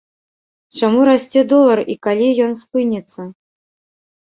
Чаму расце долар і калі ён спыніцца?